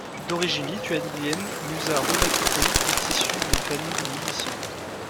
D’origine lituanienne, Mūza Rubackytė est issue d’une famille de musiciens.